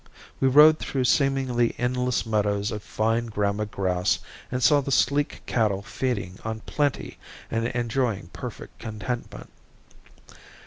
We rode through seemingly endless meadows of fine gramma grass and saw the sleek cattle feeding on plenty and enjoying perfect contentment.